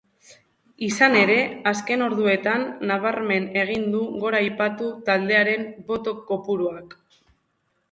Izan ere, azken orduetan nabarmen egin du gora aipatu taldearen boto-kopuruak.